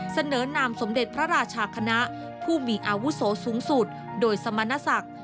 เสนอนามสมเด็จพระราชาคณะผู้มีอาวุโสสูงสุดโดยสมณศักดิ์